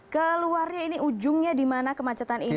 keluarnya ini ujungnya di mana kemacetan ini